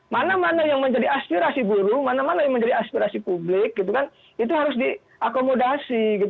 mana mana yang menjadi aspirasi buruh mana mana yang menjadi aspirasi publik itu harus diakomodasi